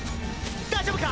大丈夫か！？